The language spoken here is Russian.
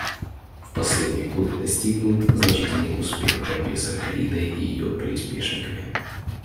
В последние годы достигнут значительный успех в борьбе с «Аль-Каидой» и ее приспешниками.